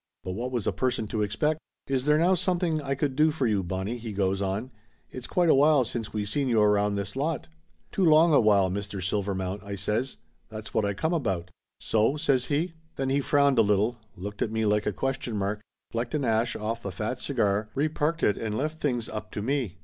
But what was a person to expect? "Is there now something I could do for you, Bon nie ?" he goes on. "It's quite a while since we seen you around this lot!" "Too long a while, Mr. Silvermount," I says. "That's what I come about." Laughter Limited 269 "So?" says he. Then he frowned a little, looked at me like a ques tion mark, flecked an ash off the fat cigar, reparked it and left things up to me.